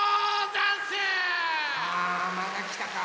あまたきたか。